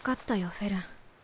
フェルン。